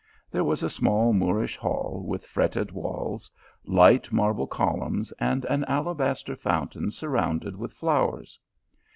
There was a small Moorish hall, with fretted walls, light marble columns, and an alabaster fountain surround ed with flowers.